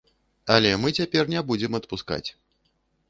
Але мы цяпер не будзем адпускаць.